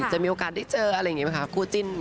จะมีโอกาสได้เจออะไรอย่างนี้ไหมคะคู่จิ้น